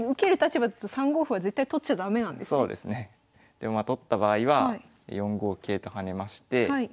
でまあ取った場合は４五桂と跳ねまして。